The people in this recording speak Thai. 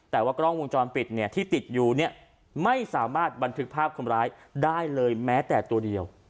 แต่ว่ากล้องวงจรปิดเนี่ยที่ติดอยู่เนี่ยไม่สามารถบันทึกภาพคนร้ายได้เลยแม้แต่ตัวเดียว